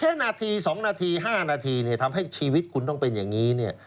นาที๒นาที๕นาทีเนี่ยทำให้ชีวิตคุณต้องเป็นอย่างนี้เนี่ย